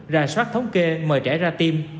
rà soát thống kê mời trẻ ra tiêm